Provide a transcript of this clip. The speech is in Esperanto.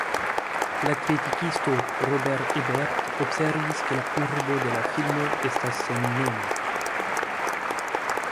La kritikisto Roger Ebert observis ke la urbo de la filmo estas sennoma.